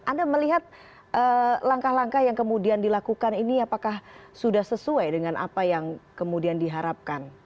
anda melihat langkah langkah yang kemudian dilakukan ini apakah sudah sesuai dengan apa yang kemudian diharapkan